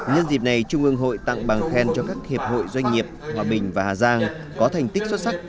nhân dịp này trung ương hội tặng bằng khen cho các hiệp hội doanh nghiệp hòa bình và hà giang có thành tích xuất sắc